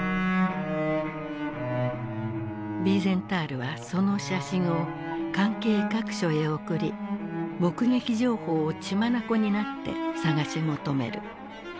ヴィーゼンタールはその写真を関係各所へ送り目撃情報を血眼になって探し求める。